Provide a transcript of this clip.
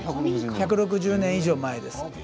１６０年以上前です。